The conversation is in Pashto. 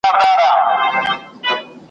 ما د خپل قسمت پر فیصلو شکر ایستلی ,